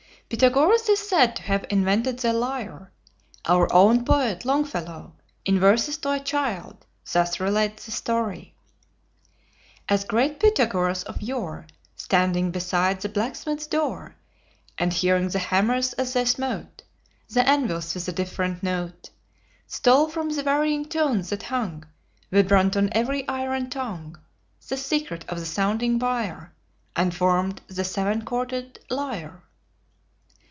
Pythagoras is said to have invented the lyre. Our own poet Longfellow, in "Verses to a Child," thus relates the story: "As great Pythagoras of yore, Standing beside the blacksmith's door, And hearing the hammers as they smote The anvils with a different note, Stole from the varying tones that hung Vibrant on every iron tongue, The secret of the sounding wire, And formed the seven chorded lyre."